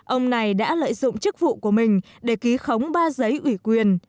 ông này đã lợi dụng chức vụ của mình để ký khống ba giấy ủy quyền